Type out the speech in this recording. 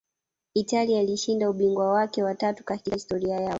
italia ilishinda ubingwa wake wa tatu katika historia yao